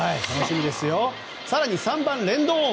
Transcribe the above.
更に３番、レンドーン。